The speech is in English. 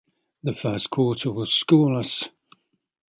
The first quarter was scoreless.